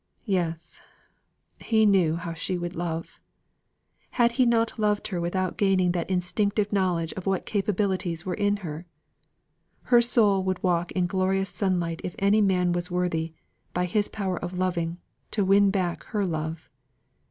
Yes! he knew how she would love. He had not loved her without gaining that instinctive knowledge of what capabilities were in her. Her soul would walk in glorious sunlight if any man was worthy, by his power of loving, to win back her love.